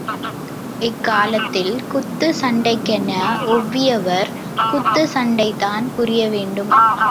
இக்காலத்தில் குத்துச் சண்டைக்கென ஒவ்வியவர் குத்துச் சண்டைதான் புரியவேண்டும்.